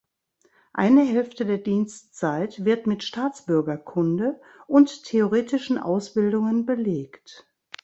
Eine Hälfte der Dienstzeit wird mit Staatsbürgerkunde und theoretischen Ausbildungen belegt.